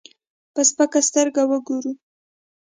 په سپکه سترګه وګورو.